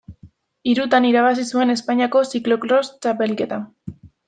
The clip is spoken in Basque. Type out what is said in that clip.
Hirutan irabazi zuen Espainiako Ziklo-kros Txapelketa.